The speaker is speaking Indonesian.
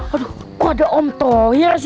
aduh kok ada om tohir sih